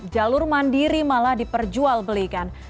jalur mandiri malah diperjual belikan